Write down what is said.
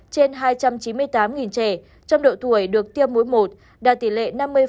trong đó hơn hai mươi tám trẻ trong độ tuổi được tiêm mũi một đạt tỷ lệ năm mươi hai